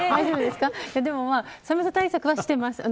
でも寒さ対策はしています。